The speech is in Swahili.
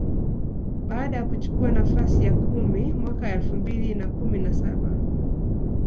baada ya kuchukua nafasi ya kumi mwaka elfu mbili na kumi na saba